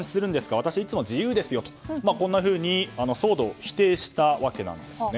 私いつも自由ですよとこんなふうに騒動を否定したわけなんです。